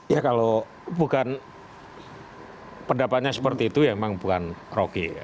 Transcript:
ya kalau bukan pendapatnya seperti itu ya emang bukan rokin